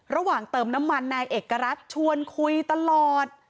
เติมน้ำมันนายเอกรัฐชวนคุยตลอด